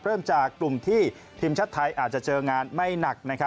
เริ่มจากกลุ่มที่ทีมชาติไทยอาจจะเจองานไม่หนัก